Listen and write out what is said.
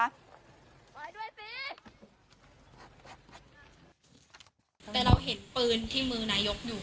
แต่เราเห็นปืนที่มือนายกอยู่